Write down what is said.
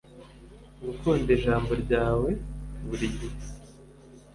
gukunda, ijambo ryawe buri gihe